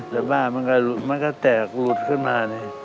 แต่บ้านมันก็ลุดมันก็แตกลุดขึ้นมานี่